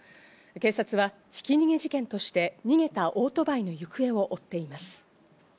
警察は、ひき逃げ事件として逃げたオートバイの行方を追っています。